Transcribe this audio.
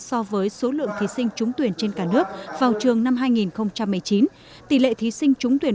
so với số lượng thí sinh trúng tuyển trên cả nước vào trường năm hai nghìn một mươi chín tỷ lệ thí sinh trúng tuyển